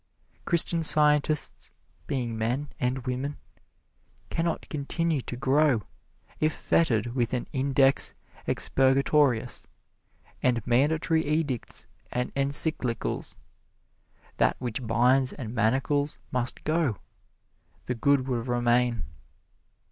Christian Scientists, being men and women, can not continue to grow if fettered with an Index Expurgatorius and mandatory edicts and encyclicals. That which binds and manacles must go the good will remain.